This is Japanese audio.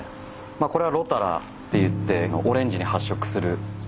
これはロタラっていってオレンジに発色する。